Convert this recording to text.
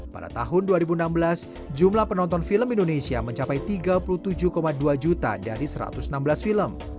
pada tahun dua ribu enam belas jumlah penonton film indonesia mencapai tiga puluh tujuh dua juta dari satu ratus enam belas film